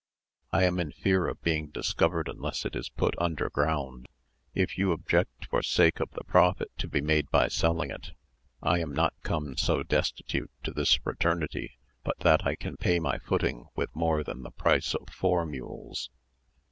I am in fear of being discovered unless it is put under ground. If you object for sake of the profit to be made by selling it, I am not come so destitute to this fraternity but that I can pay my footing with more than the price of four mules."